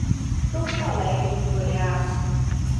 Campo Alegre de Goiás